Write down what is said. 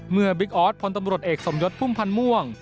บิ๊กออสพลตำรวจเอกสมยศพุ่มพันธ์ม่วง